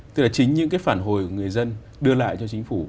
tức là chính những cái phản hồi của người dân đưa lại cho chính phủ